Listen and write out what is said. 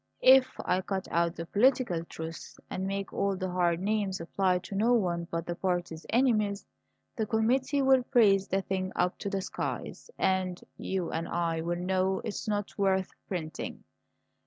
If I cut out the political truth and make all the hard names apply to no one but the party's enemies, the committee will praise the thing up to the skies, and you and I will know it's not worth printing.